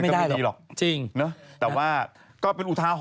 ก็ว่ากันไป